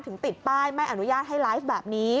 ติดป้ายไม่อนุญาตให้ไลฟ์แบบนี้